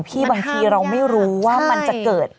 บางทีเราไม่รู้ว่ามันจะเกิด